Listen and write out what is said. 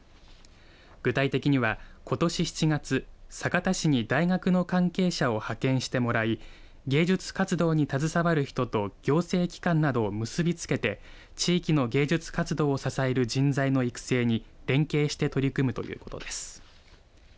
具体的には、ことし７月酒田市に大学の関係者を派遣してもらい芸術活動に携わる人と行政機関などを結び付けて地域の芸術活動を支える人材育成に、連携して取り組むということです。